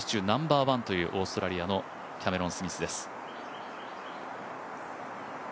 ナンバーワンというオーストラリアのキャメロン・スミスです。